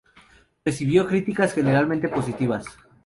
Recibió críticas generalmente positivas.